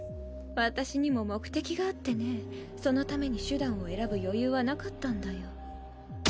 私にも目的があってねそのために手段を選ぶ余裕はなかったんだよ